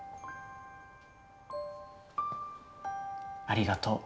ありがとう。